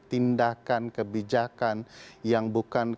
tindakan kebijakan yang bukan